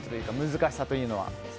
難しさというのは？